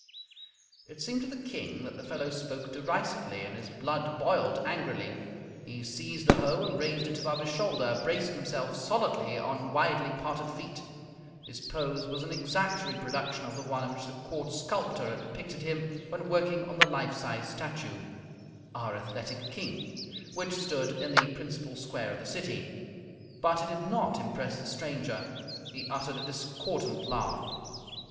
It seemed to the King that the fellow spoke derisively, and his blood boiled angrily. He seized the hoe and raised it above his shoulder, bracing himself solidly on widely parted feet. His pose was an exact reproduction of the one in which the Court sculptor had depicted him when working on the life size statue ("Our Athletic King") which stood in the principal square of the city; but it did not impress the stranger. He uttered a discordant laugh.